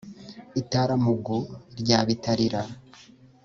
i tarampugu rya bitarira